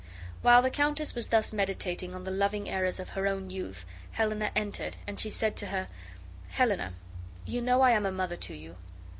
While the countess was thus meditating on the loving errors of her own youth, Helena entered, and she said to her, "Helena, you know I am a mother to you."